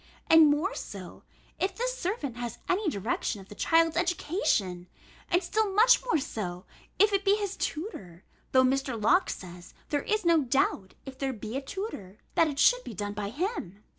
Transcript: And more so, if this servant has any direction of the child's education; and still much more so, if it be his tutor, though Mr. Locke says, there is no doubt, if there be a tutor, that it should be done by him.